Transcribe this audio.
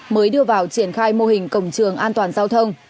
mới đưa vào triển khai mô hình cổng trường an toàn giao thông